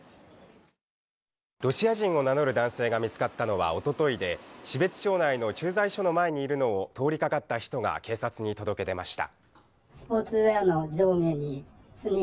ロシア人を名乗る男性が見つかったのは一昨日で、標津町内の駐在所の前にいるのを通りかかった人が警察に届け出ました。